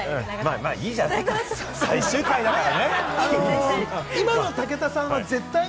まあまあいいじゃない、最終回なんだから。